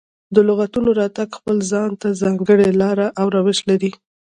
د لغتونو راتګ خپل ځان ته ځانګړې لاره او روش لري.